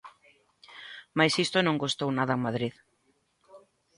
Mais isto non gostou nada en Madrid.